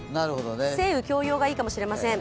晴雨共用がいいかもしれません。